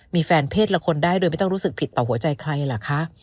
มีแฟนเพศละคนได้โดยไม่ต้องรู้สึกผิดต่อหัวใจใครเหรอคะ